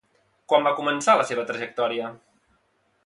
Quan va començar la seva trajectòria?